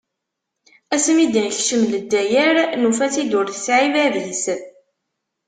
Ass mi d-nekcen Lezzayer, nufa-tt-id ur tesɛi bab-is.